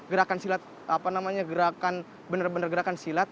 gerakan silat apa namanya gerakan benar benar gerakan silat